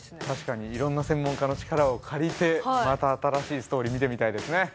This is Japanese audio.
確かにいろんな専門家の力を借りてまた新しいストーリー見てみたいですね。